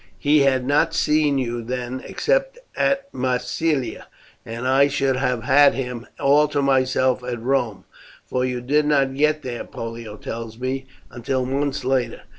He had not seen you then except at Massilia, and I should have had him all to myself at Rome, for you did not get there, Pollio tells me, until months later."